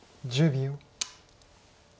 １０秒。